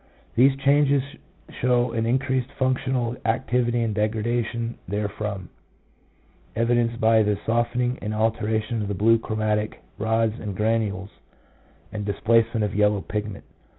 These changes show an increased functional activity and degradation therefrom, evidenced by "the soften ing and alteration of blue chromatic rods and granules and displacement of yellow pigment.